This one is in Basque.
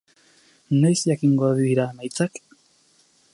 Noiz jakingo dira emaitzak?